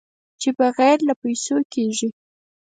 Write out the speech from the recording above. چې بغیر له پېسو کېږي.